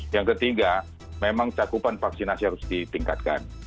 yang ketiga memang cakupan vaksinasi harus ditingkatkan